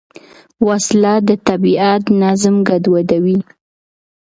وسله د طبیعت نظم ګډوډوي